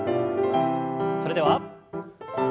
それでは１。